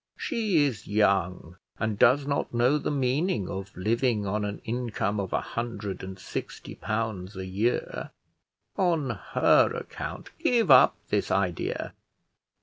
She is young, and does not know the meaning of living on an income of a hundred and sixty pounds a year. On her account give up this idea.